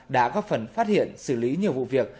đã góp phần phát hiện xử lý nhiều vụ việc